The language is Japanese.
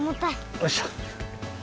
おいしょ。